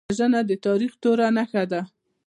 وژنه د تاریخ توره نښه ده